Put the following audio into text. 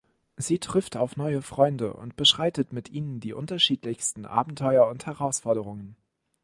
Sie trifft auf neue Freunde und beschreitet mit ihnen die unterschiedlichsten Abenteuer und Herausforderungen.